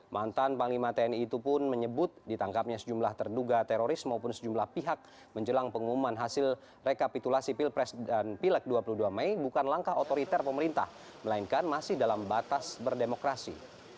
mantan panglima tni itu pun menyebut ditangkapnya sejumlah terduga teroris maupun sejumlah pihak menjelang pengumuman hasil rekapitulasi pilpres dan pileg dua puluh dua mei bukan langkah otoriter pemerintah melainkan masih dalam batas berdemokrasi